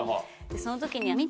その時に。